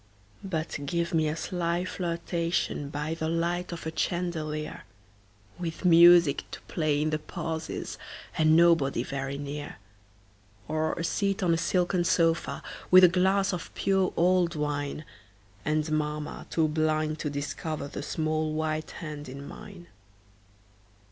But give me a sly flirtation By the light of a chandelier With music to play in the pauses, And nobody very near; Or a seat on a silken sofa, With a glass of pure old wine, And mamma too blind to discover The small white hand in mine.